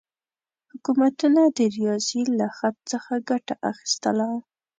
حکومتونه د ریاضي له خط څخه ګټه اخیستله.